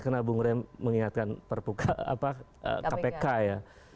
karena bu ngo rai mengingatkan kpk ya